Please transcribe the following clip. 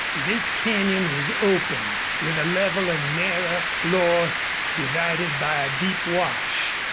This canyon was open, with a level and narrow floor divided by a deep wash.